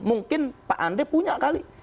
mungkin pak andre punya kali